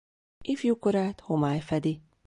Ifjú korát homály fedi.